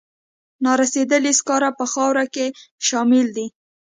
نارسیدلي سکاره په خاورو کې شاملې دي.